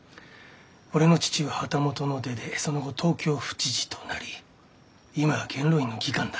俺の父は旗本の出でその後東京府知事となり今は元老院の議官だ。